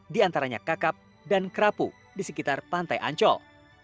di antaranya kakap dan kerapu di sekitar pantai ancol